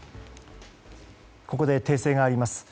ここで訂正があります。